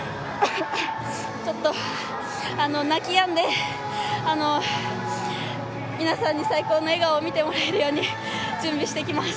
泣きやんで皆さんに最高の笑顔を見てもらえるように準備してきます。